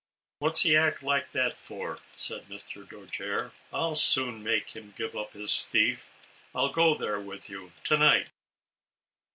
" What's he act like that for ?" said Mr. Dojere. "I'll soon make him give up his thief. I'll go there with you, to night."